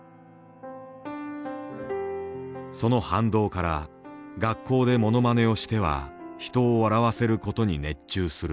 その反動から学校でものまねをしては人を笑わせることに熱中する。